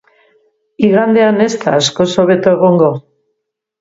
Igandean ez da askoz hobeto egongo.